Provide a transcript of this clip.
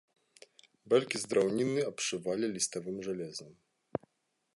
Бэлькі з драўніны абшывалі ліставым жалезам.